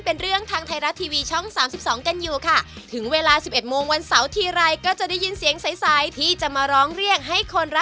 ปกตินี้๓๐๐จานนี้เราขายกี่ชั่วโมงหมด